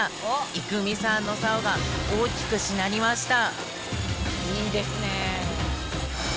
生海さんの竿が大きくしなりました！